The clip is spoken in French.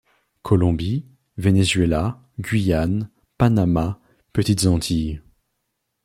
Colombie, Venezuela, Guyane, Panama, Petites Antilles.